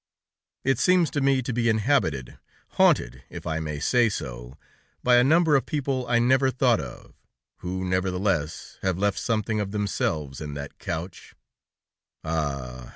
It seems to me to be inhabited, haunted, if I may say so, by a number of people I never thought of, who, nevertheless, have left something of themselves in that couch. "Ah!